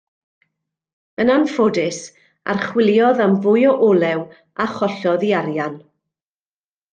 Yn anffodus, archwiliodd am fwy o olew a chollodd ei arian.